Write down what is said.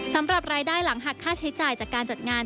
สำหรับรายได้หลังหักค่าใช้จ่ายจากการจัดงาน